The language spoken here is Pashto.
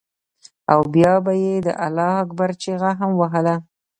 او بيا به یې د الله اکبر چیغه هم وهله.